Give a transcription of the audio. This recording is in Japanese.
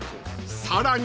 ［さらに］